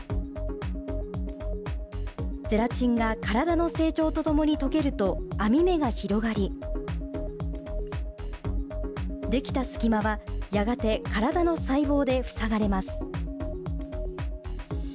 ゼラチンが体の成長とともに溶けると、編み目が広がり、出来た隙間はやがて体の細胞で塞がれます。